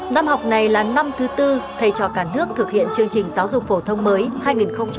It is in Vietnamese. năm học này là năm thứ tư thầy trò cả nước thực hiện chương trình giáo dục phổ thông mới hai nghìn hai mươi